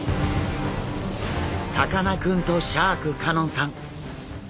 さかなクンとシャーク香音さん。